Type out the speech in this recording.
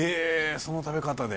その食べ方で。